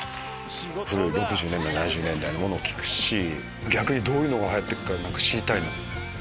６０年代７０年代のものを聴くし逆にどういうのが流行ってるのか知りたい。